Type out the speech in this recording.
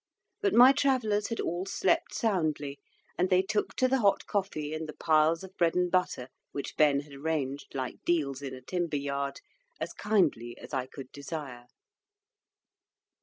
But my Travellers had all slept soundly, and they took to the hot coffee, and the piles of bread and butter, which Ben had arranged like deals in a timber yard, as kindly as I could desire.